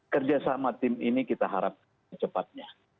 kerja sama tim ini kita harapkan cepatnya